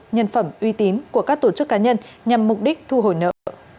nhân phẩm uy tín của các tổ chức cá nhân nhằm mục đích thu hồi nợ